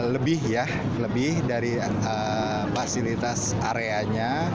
lebih dari fasilitas areanya